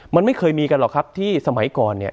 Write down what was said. มันไม่เคยมีกันหรอกครับที่สมัยก่อนเนี่ย